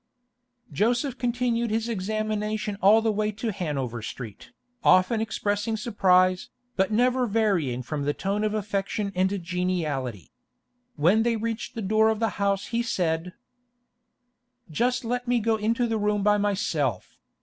Joseph continued his examination all the way to Hanover Street, often expressing surprise, but never varying from the tone of affection and geniality. When they reached the door of the house he said: 'Just let me go into the room by myself.